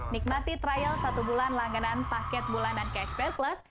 nikmati trial satu bulan langganan paket bulanan catch play plus